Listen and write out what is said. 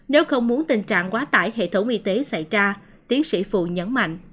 nếu không muốn tình trạng quá tải hệ thống y tế xảy ra tiến sĩ phụ nhấn mạnh